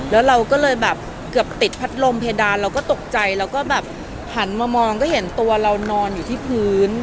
แล้วเราก็เลยแบบเกือบติดพัดลมเพดานเราก็ตกใจเราก็แบบหันมามองก็เห็นตัวเรานอนอยู่ที่พื้น